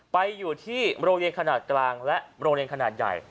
ไปอยู่ที่โรงเรียนขนาดกลางและโรงเรียนขนาดใหญ่